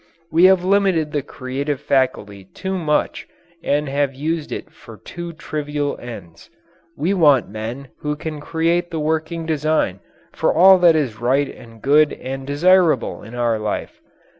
We have limited the creative faculty too much and have used it for too trivial ends. We want men who can create the working design for all that is right and good and desirable in our life.